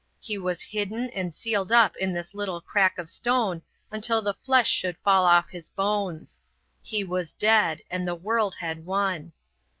He was hidden and sealed up in this little crack of stone until the flesh should fall off his bones. He was dead, and the world had won.